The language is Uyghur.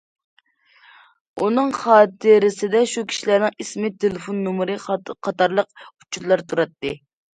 ئۇنىڭ خاتىرىسىدە شۇ كىشىلەرنىڭ ئىسمى، تېلېفون نومۇرى قاتارلىق ئۇچۇرلار تۇراتتى.